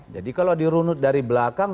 jadi kalau dirunut dari belakang